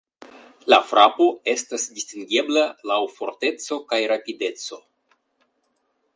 La frapo estas distingebla laŭ forteco kaj rapideco.